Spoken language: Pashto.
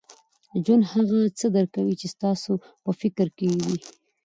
ژوند هغه څه درکوي، چي ستاسو په فکر کي وي.